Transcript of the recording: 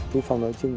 trung phòng nói chung